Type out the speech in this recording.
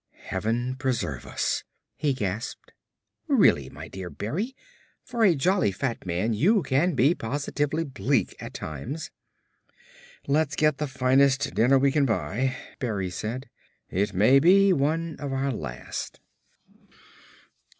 "Heaven preserve us," he gasped. "Really, my dear Berry, for a jolly, fat man you can be positively bleak at times." "Let's get the finest dinner we can buy," Berry said. "It may be one of our last."